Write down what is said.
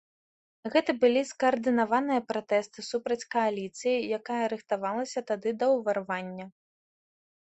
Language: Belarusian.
Гэта былі скаардынаваныя пратэсты супраць кааліцыі, якая рыхтавалася тады да ўварвання.